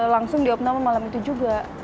langsung diopnama malam itu juga